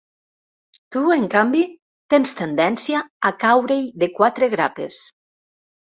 Tu, en canvi, tens tendència a caure-hi de quatre grapes.